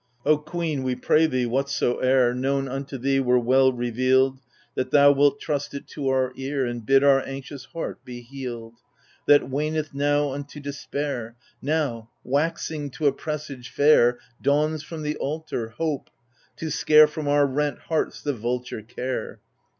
O queen, we pray thee, whatsoe'er, Known unto thee, were well revealed, That thou wilt trust it to our ear. And bid our anxious heart be healed ! That waneth now unto despair — Now, waxing to a presage fair. Dawns, from the altar, Hope — to scare From our rent hearts the vulture Care.